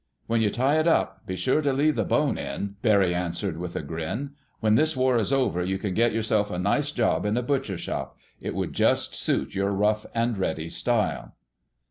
"When you tie it up, be sure to leave the bone in," Barry answered with a grin. "When this war is over you can get yourself a nice job in a butcher shop. It would just suit your rough and ready style."